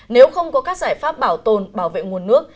nếu không có các giải pháp bảo tồn bảo vệ nguồn nước